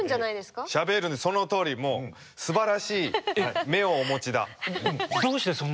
そのとおりもうすばらしい目をお持ちだ。